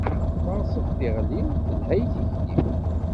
Faṛset tiɣli, telha i tilkli.